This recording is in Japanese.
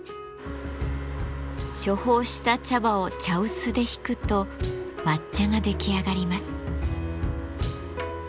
処方した茶葉を茶臼でひくと抹茶が出来上がります。